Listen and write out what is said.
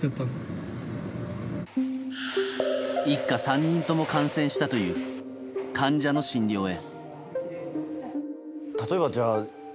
一家３人とも感染したという患者の診療へ。